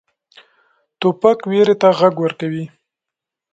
توپک ویرې ته غږ ورکوي.